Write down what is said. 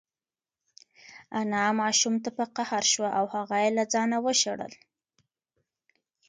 انا ماشوم ته په قهر شوه او هغه یې له ځانه وشړل.